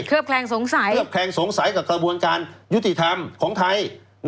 แคลงสงสัยเคลือบแคลงสงสัยกับกระบวนการยุติธรรมของไทย